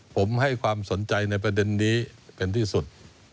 ผมให้ความสนใจในประเด็นนี้เป็นที่สุด